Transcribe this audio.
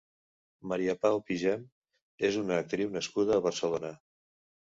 Maria Pau Pigem és una actriu nascuda a Barcelona.